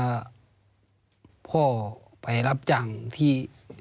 ก็พ่อไปรับจ้างที่